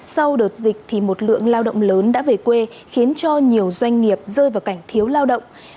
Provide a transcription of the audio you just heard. sau đợt dịch thì một lượng lao động lớn đã về quê khiến cho nhiều doanh nghiệp rơi vào cảnh thiếu lao động